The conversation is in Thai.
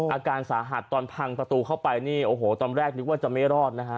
อาการสาหัสตอนพังประตูเข้าไปนี่โอ้โหตอนแรกนึกว่าจะไม่รอดนะฮะ